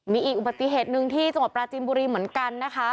มีอีกอุบัติเหตุหนึ่งที่จังหวัดปราจินบุรีเหมือนกันนะคะ